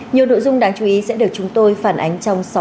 nhiều nội dung đáng chú ý sẽ được chúng tôi phản ánh trong